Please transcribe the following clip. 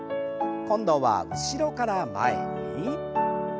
今度は後ろから前に。